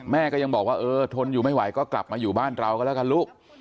แม่ก็ยังบอกว่าเออทนอยู่ไม่ไหวก็กลับมาอยู่บ้านเราก็แล้วกันลูก